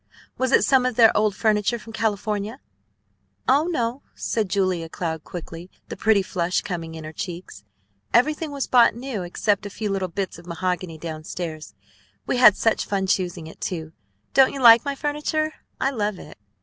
Was it some of their old furniture from California?" "Oh, no," said Julia Cloud quickly, the pretty flush coming in her cheeks. "Everything was bought new except a few little bits of mahogany down stairs. We had such fun choosing it, too. Don't you like my furniture? I love it.